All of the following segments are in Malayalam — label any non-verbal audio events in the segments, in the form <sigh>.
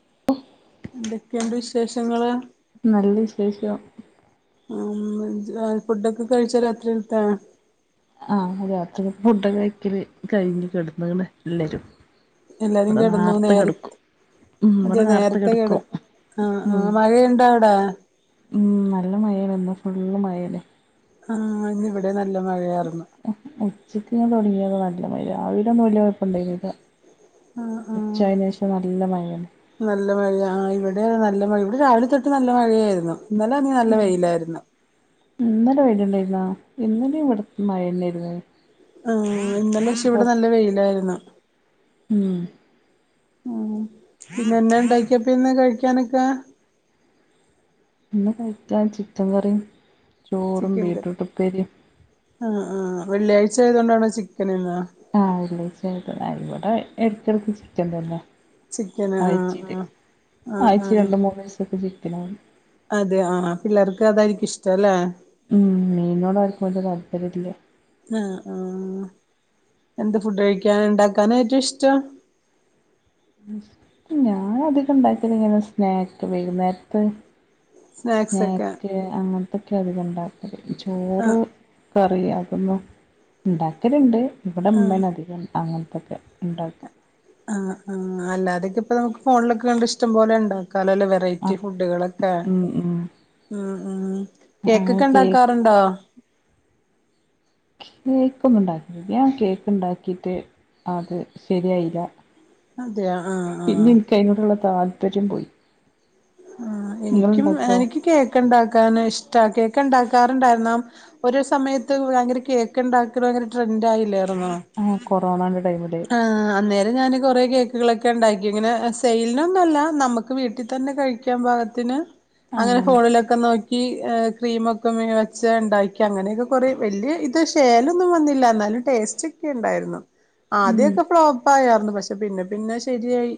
<inaudible> എന്തൊക്കെണ്ട് വിശേഷങ്ങള് നല്ല വിശേഷം ഉം ജ് ഫുഡൊക്കെ കഴിചോ രാത്രിക്കതെ ആഹ് രാത്രിക്കത്തെ ഫുഡൊക്കെ കഴിക്കല് കഴിഞ് കിടുന്നണ് എല്ലരും എല്ലാരും ഇവിടെ കിടന്നു നേർത്തെ നേര കെടുക്കും ഉ അതെ ഇവിടെ നേർത്തെ നേരത്തെ കിട കെടക്കും ആഹ് ഉം ആഹ് മഴയുണ്ട അവിടെ മ് നല്ല മഴേണ് ന്ന് ഫുള്ള് മഴല്ലേ ആ ഇന്ന് ഇവിടേം നല്ല മഴയാർന്നു ഉച്ചയ്ക്കങ് തുടങ്ങിയതാ നല്ല മഴ രാവിലൊന്നും വല്യ ണ്ടായീനില്ല ആഹ് ആഹ് ഉച്ചായേന് ശേഷം നല്ല മഴയാണ് നല്ല മഴ ആ ഇവിടെ നല്ല മഴ ഇവിടെ രാവിലെ തൊട്ട് നല്ല മഴയായിരുന്നു ഇന്നലെ നല്ല വെയിലായിരുന്നു ഇന്നലെ വെയിലുണ്ടായിരുന്നോ ഇന്നലെ ഇവിടെ മഴയായിരുന്ന് ഏഹ് ഇന്നലെ ക്ഷേ ഇവിടെ നല്ല വെയിലായിരുന്നു ഉം ഉ പിന്നന്നെ ണ്ടാക്കിപ്പോ ഇന്ന് കഴിക്കാനൊക്കെ ഇന്ന് ഉച്ച ചിക്കൻ കറീം ചോറും ചിക്കൻ കറി ബീട്രൂട്ട് ഉപ്പേരീം ആഹ് ആഹ് വെള്ളിയാഴ്ച ആയതോണ്ടാണോ ചിക്കന് ഇന്ന് ആഹ് വെള്ളിയാഴ്ച ആയതോണ്ട് ഇവിടെ എടക്കടുക്ക് ചിക്കൻ തന്നെ ചിക്കന് ആഹ് ആഴ്ച്ചീൽ ആഹ് ആഹ് ആഴ്ച്ചീ ആഹ് രണ്ട് മൂന്ന് ദിവസൊക്കെ ചിക്കന്നാന് അതെ ആ പിള്ളേർക്കു അതായിരിക്കിഷ്ടല്ലേ ഉംമീനിനോട ആർക്കും വല്യ താല്പര്യല്ല ആഹാ ആഹ് എന്ത് ഫുഡ് കഴിക്കൻ ഉണ്ടാക്കാന ഏറ്റവും ഇഷ്ട്ട ഞാൻ അധികം ഉണ്ടാക്കിയത് ഇങ്ങനെ സ്നാക്ക്സ് വൈകുനേരത്തെ സ്നാക്സ് ഒക്കെ സ്നാക്ക് അങ്ങനത്തൊക്കെ അധിക ഇണ്ടാക്കല് ചോറ് ആഹ് കറി അതൊന്നും ഉണ്ടാക്കലുണ്ട് ഇവിടെ ആഹ് ഉമ്മേന അധികം അങ്ങനത്തൊക്കെ ഉണ്ടാക്കും ആഹ് അല്ലാതൊക്കെ ഇപ്പൊ നമുക്ക് ഫോണൊക്കെ കണ്ട ഇഷ്ടം പോലെ ഉണ്ടാവും നല്ല നല്ലവെറൈറ്റി ആഹ് ഫുഡുകളൊക്കെ ഉം ഉം ഉം ഉം അങ്ങനെ കേക്കൊക്കെ കേക്ക് ഉണ്ടാക്കാറുണ്ടോ കേക്കൊന്ന ഉണ്ടാക്കില്ല ഞാൻ കേക്ക് ഉണ്ടാക്കിയിട്ട് അത് ശരിയായില്ല അതെയ ആഹ് ആഹ് എനിക്ക്അതിനോട്ള്ള താല്പര്യം പോയി ആഹ് എനിക്കും നിങ്ങളുണ്ടാക്കോ എനിക്ക് കേക്ക് ഇണ്ടാക്കാൻ ഇഷ്ട കേക്ക് ഇണ്ടാക്കാറുണ്ടായിുന്ന ഒരു സമയത്ത് ഭയങ്കര കേക്ക ഉണ്ടാക്കി ഭയങ്കര ട്രെൻഡയില്ലായിരുന്നു ആ കൊറോണന്റെ ടൈമില് അന്നേരം ഞാൻ കുറെ കേക്കുകളൊക്കെ ഉണ്ടാക്കി ഇങ്ങനെ സെയിലിനൊന്നുല്ല നമക്ക് വീട്ടിൽ തന്നെ കഴിക്ക ക്ക പാകത്തിന് അങ്ങനെ ഫോണില ക്കെ നോക്കി ക്രീമ ഒക്കെ വെച്ച ഉണ്ടാക്കി അങ്ങനെയൊക്കെ കൊറേ വല്യ ശേലൊന്നും വന്നില്ല എന്നാലും ടേസ്റ്റ് ഒക്കെ ഉണ്ടായിരുന്നു ഉം ആദ്യൊക്കെ ഫ്ലോപ്പ ആയാരുന്നു പക്ഷെ പിന്നെ പിന്നെ ശെരിയായി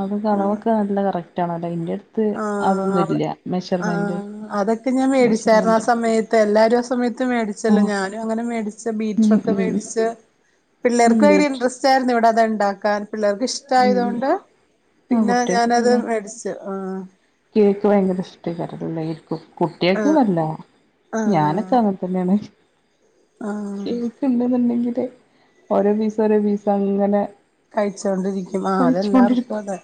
അത് അളവൊക്കെ നല്ല കറക്റ്റ് ആണല്ലോ അന്റെ അടുത്ത് അതൊന്നും ആഹ് ഇല്ല മെഷർമെന്റ് ഇപ്പോ ഞാൻ മേടിച്ചായിരുന്നു ആ മെഷർമെന്റ് സമയത്ത് എല്ലാവരും ആ സമയത്ത് മേടിച്ചല്ലോ ആഹ് ഞാനും അങ്ങനെ മേടിച്ച ഉം ബീറ്ററൊക്കെ ഉം മേടിച്ച് ഉം പിള്ളർക്ക് ഭയങ്കര ബീറ്റ് ഇൻട്രസ്റ്റ് ആയിരുന്നു ഇവിടെ അത ഉണ്ടാക്കാൻ പിള്ളേ ഉം ഇഷ്ടയതൊണ്ട് ആഹ് പിന്നെ കുട്ടികൾക്ക് ഞാനത് പിന്നെ മേടിച്ചു ആഹ് കേക്ക് ഭയങ്കര ഇഷ്ടിക്കരല്ലരിക്കും കുട്ടികൾക്ക ആഹ് അല്ല ആഹ് ഞാനൊക്കെ തന്നെയാണ് ആഹ് ണ്ടുണ്ടെങ്കില് ഓരോ പീസ ഓരോ പീസ അങ്ങനെ കഴിച്ചൊണ്ടിരിക്കും ആഹ് അതെല്ലാർക്കും കഴിച്ചോണ്ടിരിക്കും അതെ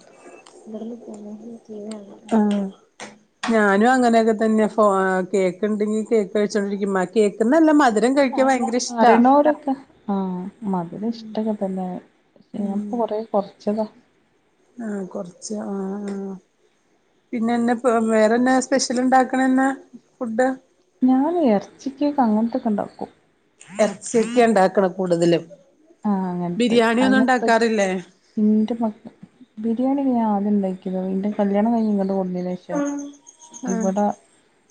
ആഹ് ഞാനും അങ്ങനെയൊക്കെ തന്നെ കേക്ക് ഉണ്ടെങ്കിൽ കേക്ക് കഴിച്ചോണ്ടിരിക്കും മ കേക്ക്ന്നല്ല മധുരം കഴിക്കാൻ ഭയങ്കര ഇഷ്ടാ അവരൊക്കെ ആഹ് മധുരം ഇഷ്ടൊക്കെ തന്നെ പ്പ കൊറേ കോർച്ചതാ ആഹ് കൊറച്ച് ആഹ് ആഹ് പിന്നെവേറെന്നാ സ്പെഷ്യൽ ഉണ്ടാക്കണന്ന ഫുഡ് ഞാൻ ഇറച്ചി കേക്ക് അങ്ങൻത്തൊക്കെ ഉണ്ടാക്കും ഇറച്ചക്ക ഉണ്ടാക്കണം കൂടുതലും ആഹ് ബിരിയാണി ഒന്നും ഉണ്ടാക്കാറില്ലേ എന്റെ മ ബിരിയാണി ഞാ ആദ്യം ഉണ്ടാക്കതാ എന്റെ കല്യാണം കഴിഞ്ഞ്ഇങ്ങട് കൊ പക്ഷം ആഹ് ഇവടെ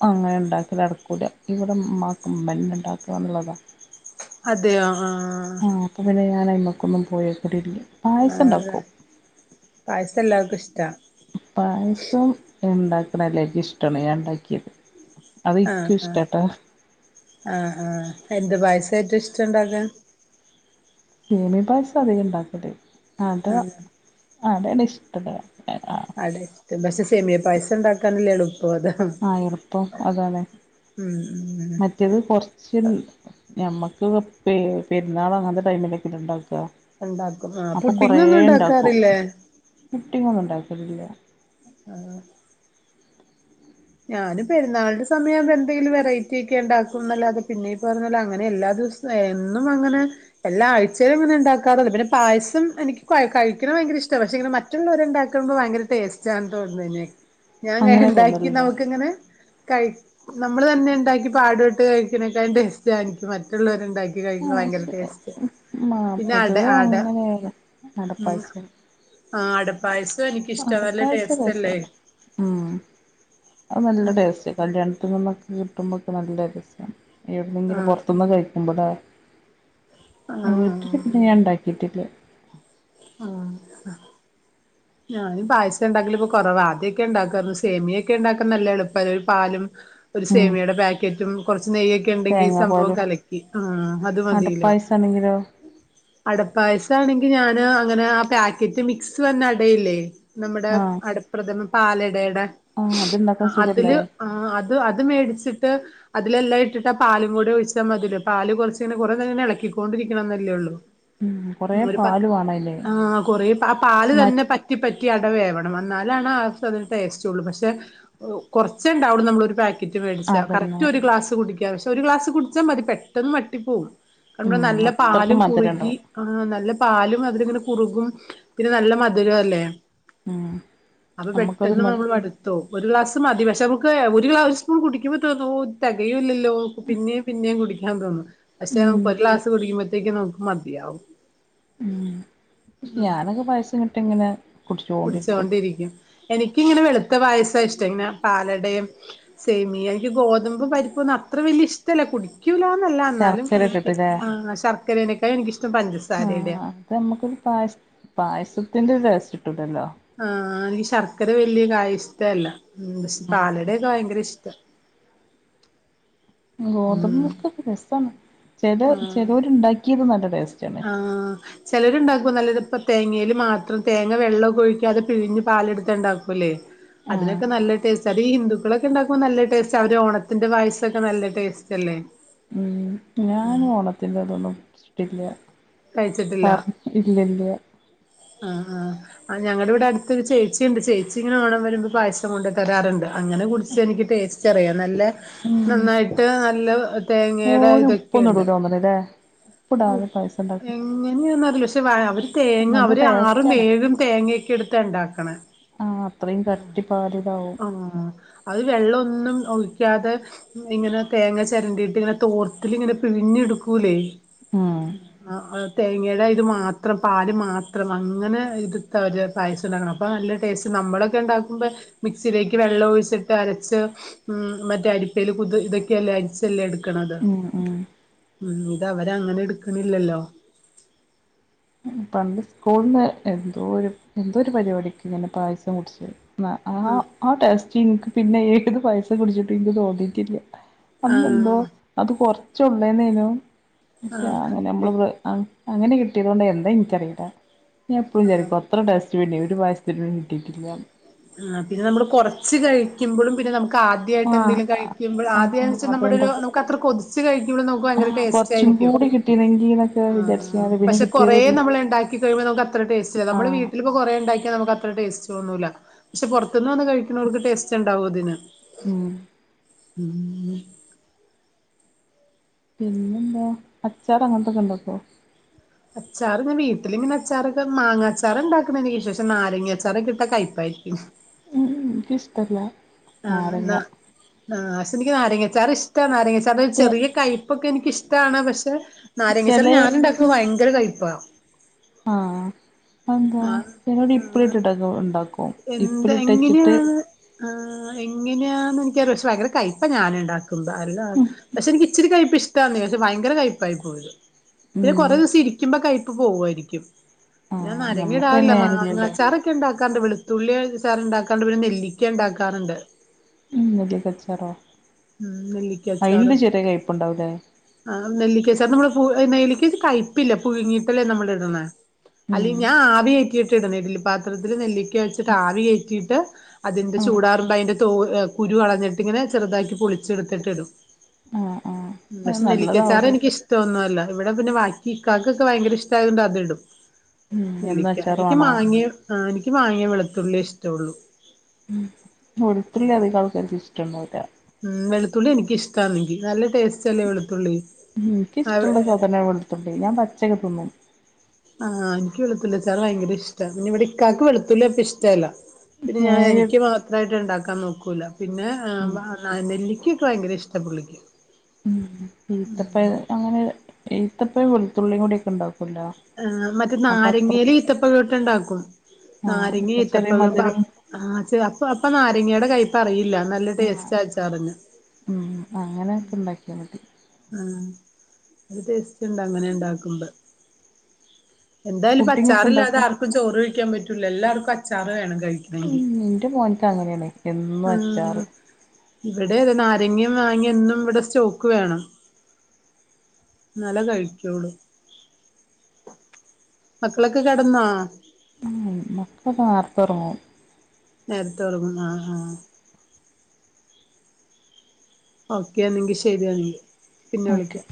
അങ്ങനെ ഉണ്ടാക്കൽ നടക്കൂല്ല ഇവിടെ മാക്ക മ്മന്നെ ഇണ്ടാക്കണം എന്നുള്ളതാ അതെയോ ആഹ് നമക്ക്പിന്നെ ഞാൻ അയ്മക്കൊന്നും പോയൽ കൂടില്ല ആത പായസ എല്ലാക്ക ഇഷ്ട പായസം ഉണ്ടാക്കണല്ലേക്ക് ഇഷ്ടമാണ് ഞാൻ ഉണ്ടാക്കിയത് ആഹ് ആഹ് ആഹ് ആഹ് എന്ത് പായസായിട്ട ഇഷ്ടംണ്ടാക്കാൻ സേമിയ പായസം അധികം ഉണ്ടാക്കല് അത ആഹ് അതെ ഇഷ്ടല ആ അതെ പക്ഷെ സെമിയ പയസ ഉണ്ടാക്കാനല്ലേ എളുപ്പം അത് ആഹ് എളുപ്പ അതണ് ഉം ഉം മ റ്റത് കുറച്ച് ഞമ്മക്ക് പെരുന്നാൾ അങ്ങനത്തെ ടൈമിലക്കെ ഉണ്ടാക്കും ഉണ്ടാക്കും ആഹ് അതഅപ്പൾ കുറേ പുഡിങ്ങൊന്നും ഉണ്ടാക്കും ഉണ്ടാക്കാറില്ലേ ഫുട്ടിങ്ങ ഒന്നും ഉണ്ടാക്കലില്ല ആഹ് ഞാന് പെരുന്നാളിൻ്റെ സമയാവുമ്പ എന്തേലും വെറൈറ്റി അക്കി എണ്ടാക്കും ന്നല്ലാതെ പിന്നീട് പറഞ്ഞ പോലെ അങ്ങനെ എല്ലാ സ് വും വേന്നും അങ്ങനെ എല്ലാ ആഴ്ചയിലും അങ്ങനെ ഉണ്ടാക്കാറോന്നു പിന്നെ പായസം എനിക്ക് കൊഴ കഴിക്ക്ണ്ഭയങ്കര ഇഷ്ട പക്ഷെങ്ങനെ മറ്റേ മറ്റുള്ളോരുണ്ടാക്കുമ്പോ ഭയങ്കര ടേസ്റ്റ് ആണ് തോന്നണ്നെ ഞാ അങ്ങനെ കെണ്ടാ തോന്നലുണ്ടോ ക്ക് ങ്ങനെ കൈ നമ്മള് തന്നെ ഇണ്ടാക്കി പാടുപെട്ട് കഴിക്ക്ണേക്കായും ടേസ്റ്റ് ആണ് ഇൻക്ക് മ മറ്റ് ള്ളോർ ഇണ്ടാ കഴിക്കുമ്പോ ആഹ് ഭയങ്കര ശരി ടേസ്റ്റ് ആഹ് പിന്നെ അട പൊതുവെ ആട അങ്ങനെയാണ് അടപ്പായസം ആടപ്പായസം എനിക്കിഷ്ട നല്ല അടപ്പായസം ടേസ്റ്റ് രസാ അല്ലേ ഉം അത് നല്ല ടേസ്റ്റ കല്യാണത്തിനന്നൊക്കെ കിട്ടുമ്പോക്കെ നല്ല രസവാണ് എവിടുന്നെങ്കിലും ആഹ് പുറത്തുന്ന് കഴി മ്പഴേ ആഹ് വീട്ടിൽ ആഹ് പിന്നെ ഞാൻ ഉണ്ടാക്കിയിട്ടില്ല ആഹ് ഞാനും പായസവുണ്ടാക്കലിപ്പൊ കുറവാ ആദ്യക്കെ ഉണ്ടാക്കുവാരുന്നു സേമിയായൊക്കെ ഉണ്ടാക്കാൻ നല്ല എളുപ്പവാ ഒരു പാലും ഒരു ഉം സേമിയയുടെ പാക്കറ്റും കുറച്ച് നെയ്യൊ ക്കെ ഉണ്ടെങ്കി തേങ്ങാ സംഭവം പാലും കലക്കി ആ അത് മതീലോ അടപ്പായസാണെങ്കിലോ അടപ്പായസം ആണെങ്കി ഞാന് അങ്ങനെ ആ പാക്കറ്റ് മിക്സ് വരുന്ന അടയില്ലേ നമ്മടെ ആഹ് അടപ്രഥമ പാലടയുടെ ആഹ് അത്ണ്ടാക്കാൻ അതില് സുഖല്ലേ ആ അത് അത് മേടിച്ചിട്ട് അതിലെല്ലാം ഇട്ടിട്ട് ആ പാലും കൂടി ഒഴിച്ച് നമ്മൾ മതില്ലോ പാല് കുറച്ചിങ്ങന കുറേ നേരം ഇങ്ങനെ ഇളക്കിക്കൊണ്ടിരിക്കണന്നല്ലേ ഒള്ളൂ ഉം കൊറേ ഒരു പ പാല് വേണം അയില് ആ കൊറ പ ആ പാല് മ തന്നെ പറ്റി പറ്റി അട വേവണം എന്നാലാണ് ആ സാധനം ടേസ്റ്റ് ഒള്ളൂ പക്ഷെ കൊറച്ചെ ഉണ്ടാവുള്ളു നമ്മളൊരു പാ ക്കറ്റ് മേടിച്ച അതന്നെ കറക്റ്റ് ഒരു ഗ്ലാസ് കുടിക്കാം പക്ഷെ ഒരു ഗ്ലാസ് കുടിച്ചാ മതി പെട്ടെന്ന് വട്ടി പോവും നമ്മള് ഉം നല്ല അത്രക്ക് പാലും കുറുകി മധുരണ്ടാവും ആഹ് നല്ല പാലും അതിലങ്ങനെ കുറുകും പിന്നെ നല്ല മധുരവുമല്ലേ ഉം അപ്പൊ നമ്മക്കത് പെട്ടെന്ന് മതി നമ്മൾ മടു ത്ത് പോവും ഒരു ഗ്ലാസ് മതി പക്ഷെ നമുക്ക് ഒരു ഗാസൊന്നും കുടിക്കുമ്പോ തോന്നും ഓ തെകയൂല്ലല്ലോ പിന്നെയും പിന്നേയും കുടിക്കാൻ തോന്നും പക്ഷെ ഉം നമുക്ക് ഒരു ക്ലാസ് കുടിക്കുമ്പോത്തേക്കും നമുക്ക് മതിയാവും ഉം ഞാനൊക്കെ പായസം കിട്ടിയ ഇങ്ങനെ കുടിച്ചോണ്ടിരിക്കും എനിക്കിങ്ങനെ വെളുത്ത പായസവാ ഇഷ്ടം ഇങ്ങനെ പാലടയും സേമിയ എനിക്ക് ഗോതമ്പും പരിപ്പൊന്നും അത്ര വലിയ ഇഷ്ടല്ല കുടി ക്കൂലാന്നല്ല അന്നാലും ശർക്കര എനിക്ക് ഇട്ടിട്ടില്ലേ ആ ശർക്കരേനേക്കായും എനിക്കിഷ്ടം പഞ്ചസാ ആഹ് അത് നമ്മക്കൊരു പായസ പായസത്തിന്റെ ടേസ്റ്റ് കിട്ടൂല്ലല്ലോ ആ എനിക്ക് ശർക്കര വല്യ കായ ഇഷ്ടല്ല പക്ഷെ പാലടയൊക്കെ ഭയങ്കര ഇഷ്ടവാ ഗോതമ്പ് ഉം മുറുക്കൊക്കെ രസമാണ് ചേലോ ആഹ് ചെലോരുണ്ടാക്കിത് നല്ല ടേസ്റ്റാണ് ആഹ് ചിലരുണ്ടാക്കും നല്ലത് ഇപ്പ തേങ്ങയില് മാത്രം തേങ്ങ വെള്ളവൊക്കെ ഒഴിക്കാതെ പിഴിഞ്ഞ് പാലെടുത്ത് ഉണ്ടാക്കൂല്ലേ ആഹ് അതിനൊക്കെ നല്ല ടേസ്റ്റ് അതീ ഹിന്ദുക്കളൊക്കെ ഉണ്ടാക്കുമ്പോ നല്ല ടേസ്റ്റ് അവര് ഓണത്തിന്റെ പായസ്സവൊക്കെ നല്ല ടേസ്റ്റല്ലേ ഉം ഞാൻ ഓണത്തിന്റെ അതൊന്നും കഴിച്ചിട്ടില്ല കഴിച്ചിട്ടില്ല ആഹ് ആഹ് ആ ഞങ്ങളുടെ ഇവിടെ അടുത്തൊരു ചേച്ചി ഉണ്ട് ചേച്ചി ഇങ്ങനെ ഓണം വരുമ്പോ പായസം കൊണ്ട് തരാറുണ്ട് അങ്ങനെ കുടിച്ച് എനിക്ക് ടേ സ്റ്ററിയാം നല്ല ഉം നന്നായിട്ട് നല്ല തേങ്ങയുടെ ഇതൊക്കെ ഉപ്പൊന്നും ഇടൂല തോന്നണല്ലെ ഉപ്പിടാതെ പായസം ഉണ്ടാ എങ്ങനെ എങ്ങനെയാന്ന് അറിയില്ല പക്ഷെ അവര് തേങ്ങ നല്ല അവര് ആറും ടേസ്റ്റാണ് ഏഴും തേങ്ങയൊക്കെ എടുത്താ ഒണ്ടാക്കണേ ആ അത്രയും കട്ടി പാല് ഇതാവും ആഹ് അത് വെള്ളവൊന്നും ഒഴിക്കാതെ ഇങ്ങനെ തേങ്ങ ചരണ്ടിട്ട് ഇങ്ങനെ തോർത്തിൽ ഇങ്ങനെ പിഴിഞ്ഞ് എടുക്കൂലേ ഉം തേങ്ങയുടെ ഇത് മാത്രം പാല് മാത്രം അങ്ങനെ ഇത് തെ അവര് പായസം ഉണ്ടാക്കണം അപ്പോൾ നല്ല ടേസ്റ്റ് നമ്മളൊക്കെ ഉണ്ടാക്കുമ്പോൾ മിക്സിയിലേക്ക് വെള്ളം ഒഴിച്ചിട്ട് അരച്ച് ഉം മറ്റേ അരിപ്പേൽ കുതി ഇതൊ ക്കെയല്ലേ അരിച്ചല്ലെ എടുക്കുന്നത് ഉം ഉം ഇത് അവരെ അങ്ങനെ എടുക്കണില്ലല്ലോ പണ്ട് സ്കൂളില് എന്തോ ഒരു എന്തോ ഒരു പരിപാടിക്ക് ഇങ്ങനെ പായസം കുടിച്ച് ആ ആ ആ ടേസ്റ്റ് എനിക്ക് പിന്നെ ഏത് പായസം കുടിച്ചിട്ടും എനിക്ക് തോന്നിയിട്ടില്ല അന്നെന്തോ ആഹ് അത് കൊറച്ചള്ളേന്നേനും പക്ഷെ ആഹ് ആ നമ്മൾ അങ്ങനെ കിട്ടിയത് കൊണ്ട് എന്താ എനിക്കറിയില്ലാ ഞാൻ എപ്പോഴും വിചാരിക്കും അത്ര ടേസ്റ്റ് പിന്നെ ഒരു പായസത്തിനും കിട്ടിയിട്ടില്ല എന്നാ നമ്മളെ പിന്നെ കുറച്ച് കഴിക്കുമ്പോഴും പിന്നെ നമുക്ക് ആദ്യം ആദ്യായിട്ട് ആഹ് എന്തെങ്കിലും കഴിക്കുമ്പോൾ ആദ്യം ആഹ് വെച്ച നമ്മള് അതുകൊണ്ടാ അത്ര കൊതിച്ച് കഴിക്കുമ്പോ നമക്ക് ഭയര ആഹ് ടേസ്റ്റ് കൊറച്ചും ആയിരിക്കും കൂടി കിട്ടീനെങ്കി എന്നൊക്കെ ആ വിചാരിച്ച് ഞാന് പിന്നെ പക്ഷെ കൊറ കിട്ടിയതുല്ല നമ്മൾ ഉണ്ടാക്കി കഴിയുമ്പോ നമുക്ക് അത്ര ടേസ്റ്റ് നമ്മ ആഹ് വീട്ടിൽ ഇപ്പൊ കൊറേ ഉണ്ടാക്കാൽ നമുക്ക് അത്ര ടേസ്റ്റ് തന്നൂില്ല പക്ഷെ പുറത്തുനിന്ന് വന്ന് കഴിക്കുന്നവർക്ക് ടേസ്റ്റ് ഉണ്ടാവും അതിന് മം ഉം പിന്നെന്തോ അച്ചാർ അന്നൊക്കെ ഉണ്ടാക്കുമോ അച്ചാറ് വീട്ടിലിങ്ങനെ അച്ചാറൊക്കെ മാങ്ങാ അച്ചാർ ഉണ്ടാക്കുന്ന നാരങ്ങി അച്ചാൊക്കെ ഇട്ടാ കയപ്പായിരിക്കും ഉം മം എനിക്ക് ഇഷ്ടല്ല ആ എന്ന എനിക്ക് നാരങ്ങ അച്ചാർ ഇഷ്ടാണ് നാരങ്ങ അച്ചാർ ചെ ചെറിയ കൈപ്പ് ഇപ്പൊക്കെ എനിക്കിഷ്ടമാണ് പക്ഷെ നാരങ്ങ അച്ചാർ ചെലെ ഞാൻ ഉണ്ടാക്കും ഭയങ്കര കഴിപ്പമാണ് ആഹ് എന്ത് <unintelligible> ഉണ്ടാക്കോ എന്താ എങ്ങനെയാണ് ആ എങ്ങനെയാന്ന് എനിക്കറിയ പക്ഷെ ഭയങ്കര കയ്പപ്പ ഞാൻ ഉണ്ടാക്കുമ്പോൾ അല്ല പക്ഷെ എനിക്ക് ഇച്ചരി കൈപ്പ് ഇഷ്ടം ആണ് ഭയങ്കര കൈപ്പായി പിന്നെ ഉം കുറേ ദിവസം ഇരിക്കും ഇരിക്കുമ്പോൾ കൈപ്പ് പോയിരിക്കും ആഹ് ഞമ്മക്ക് അയിന് നരങ്ങിടാറില്ല മാങ്ങ നേരല്ലല്ലോ അച്ചാർ ഉണ്ടാക്കാറുണ്ട് വെളുത്തുള്ളി അച്ചാർ ഉണ്ടാക്കാറുണ്ട് നെല്ലിക്ക ഉണ്ടാക്കാറുണ്ട് ഉ നെല്ലിക്ക അച്ചാറോ ഉം നെല്ലിക്ക അച്ചാറ് അതിന്റെ ചെറിയ കയപ്പുണ്ടാവൂല്ലേ ആ നെല്ലിക്ക അച്ചാറിന് നമ്മള് നെല്ലിക്കേി കയപ്പില്ല പുഴങ്ങിയിട്ടല്ലേ നമ്മൾ ഇടുന്ന അല്ല ഉം ഞാൻ ആവി കയറ്റിട്ടിട ഇഡലി പാത്രത്തിലെ നെല്ലിക്ക വെച്ചിട്ട് ആവി കയറ്റിയിട്ട് അതിന്റെ ആഹ് ചൂടാറുണ്ട് അതിന്റെ തോല് കുരു അളഞ്ഞിട്ടി ഇങ്ങനെ ചെറുതാക്കി പൊളിച്ചെടുത്തിട്ട് ഇടും ആഹ് ആഹ് അത് പക്ഷേ നെല്ലിക്ക നല്ലതാവൂല ഇഷ്ടമല്ല ഇഷ്ടൊന്നുമല്ല ഇവിടെ പിന്നെ ഇക്കാക്ക് ഭയങ്കര ഇഷ്ടമായതുകൊണ്ട് അത് ഇടും ഉം എന്നും നെല്ലിക്ക അച്ചാറ് എനിക്ക് വാണോ മാങ്ങയും വെളുത്തുള്ളിയിേ ഇഷ്ടള്ളു ഉ ഒത്തിരി അധികം ആൾക്കാർക്ക് ഇഷ്ടം ഉണ്ടാവില്ല ഉം വെളുത്തുള്ളി എനിക്കിഷ്ടമാണ് നല്ല ടേസ്റ്റ് അല്ലേ വെളുത്തുള്ളി എനിക്കിഷ്ടമുള്ള ആ മൊതലാണ് വെളുത്തുള്ളി ഞാൻ പച്ചക്കെ തിന്നും ആഹ് എനിക്ക് വെളുത്തുള്ളി ഭയങ്കര ഇഷ്ടാ ഇവിടെ ഇക്കാക്ക് വെളുത്തുള്ള ഇഷ്ടല്ലാ പിന്നെ ഞാൻ തേങ്ങ എനിക്ക് ഇട്ടിട്ട് മാത്രമായിട്ട് ഉണ്ടാക്കാൻ നോക്കൂല പിന്നെ ഉം ആഹ നെല്ലിക്കയൊക്കെ ഭയങ്കര ഇഷ്ടപുള്ളിക്കക്ക് ഉം ഈത്തപ്പ അങ്ങനെ ഈത്തപ്പ വെളുത്തുള്ളിയ കൂടി ഒക്കെ ഉണ്ടാക്കൂല്ലോ ആ് മറ്റേ നാരങ്ങൽ ഈത്തപ്പഴോട്ട ഉണ്ടാക്കും ആഹ് നാരങ്ങി അപ്പൊ ചെറിയ ഈത്തപ്പഴ മധുരം ആഹ് അപ്പ അപ്പൊ നാരങ്ങയുടെ കൈയിപ്പ അറിയില്ല നല്ല ടേസ്റ്റ് അച്ചാറിന് മം അങ്ങനെയൊക്കെ ഉണ്ടാക്കിയാൽ മതി ആ അത് ടേസ്റ്റ് ഉണ്ട് അങ്ങനെ ഉണ്ടാക്കുമ്പോൾ എന്തായാലും പുഡിംഗ് അച്ചാർ ഒക്കെ ഇല്ലാതെ ഉണ്ടാക്കും ചോറ് കഴിക്കാൻ പറ്റൂില്ല എല്ലാവർക്കും അച്ചാറ് വേണം കഴിക്കും മം എന്റെ മോൻക്ക് അങ്ങനെയാണ് എന്നും ആഹ് അച്ചാറ് ഇവിടെ നാരങ്ങയും മാങ്ങയും എന്നും ഇവിടെ സ്റ്റോക്ക് വേണം എന്നാലോ കഴിക്കോളൂ മക്കളൊക്കെ കിടന്നാ മക്കളക്കെ നേർത്തറൊങ്ങും. നേരത്തെർങ്ങുന്നാ ആഹ് ആഹ ഓക്കൊന്നെങ്കിൽ ശരിയാന്ന് പിന്നെ ഓക്കെ വിളിക്കാം